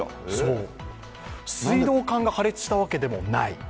水道管が破裂したわけでもない。